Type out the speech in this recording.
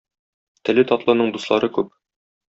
Теле татлының дуслары күп.